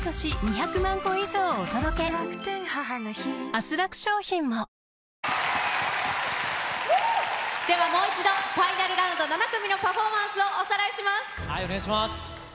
「アサヒスーパードライ」では、もう一度、ファイナルラウンド７組のパフォーマンスをおさらいします。